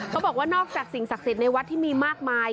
เขาบอกว่านอกจากสิ่งศักดิ์ในวัดที่มีมากมาย